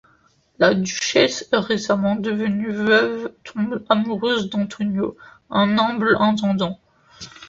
La duchesse récemment devenue veuve tombe amoureuse d'Antonio, un humble intendant.